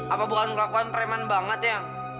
apa bukan kelakuan preman banget ya